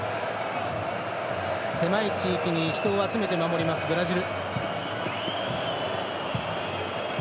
狭い地域に人を集めて守りますブラジル。